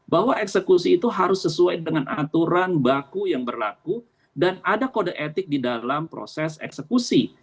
bahwa eksekusi itu harus sesuai dengan aturan baku yang berlaku dan ada kode etik di dalam proses eksekusi